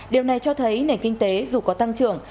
điều này cho thấy nền kinh tế dù có tăng trưởng